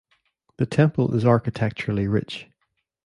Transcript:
The temple is architecturally rich.